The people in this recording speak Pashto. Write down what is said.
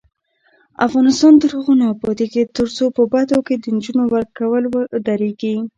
افغانستان تر هغو نه ابادیږي، ترڅو په بدو کې د نجونو ورکول ودریږي.